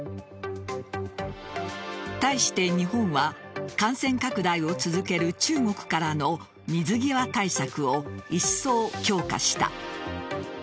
対して日本は感染拡大を続ける中国からの水際対策をいっそう強化した。